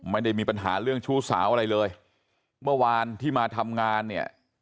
ไม่ได้มีปัญหาเรื่องชู้สาวอะไรเลยเมื่อวานที่มาทำงานเนี่ย